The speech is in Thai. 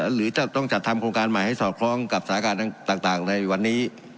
หรือจะต้องจัดทำโครงการใหม่ให้สอดคล้องกับสถานการณ์ต่างในวันนี้